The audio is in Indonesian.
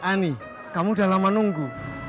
ani kamu udah lama nunggu